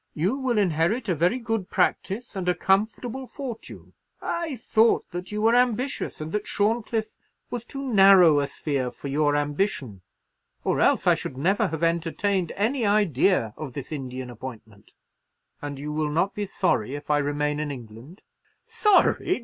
You will inherit a very good practice and a comfortable fortune. I thought you were ambitious, and that Shorncliffe was too narrow a sphere for your ambition, or else I should never have entertained any idea of this Indian appointment." "And you will not be sorry if I remain in England?" "Sorry!